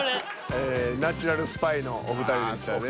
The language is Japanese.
ええナチュラルスパイのお二人でしたね。